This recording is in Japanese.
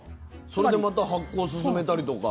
それでまた発酵を進めたりとか？